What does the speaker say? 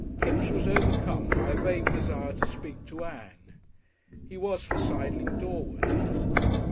Kipps was overcome by a vague desire to speak to Ann. He was for sidling doorward.